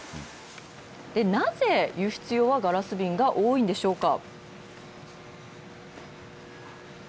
なぜ輸出用はガラス瓶が多いんでしょうか。